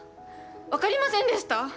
分かりませんでした？